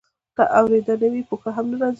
که اورېدنه نه وي، پوهه هم نه راځي.